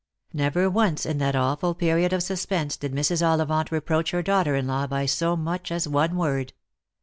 Never once in that awful period of suspense did Mrs. Ollivant reproach her daughter in law by so much as one word.